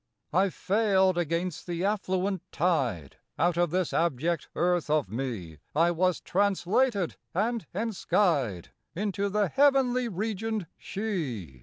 I failed against the affluent tide; Out of this abject earth of me I was translated and enskied Into the heavenly regioned She.